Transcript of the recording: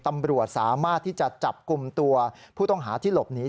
ตำรวจสามารถที่จะจับกลุ่มตัวผู้ต้องหาที่หลบหนี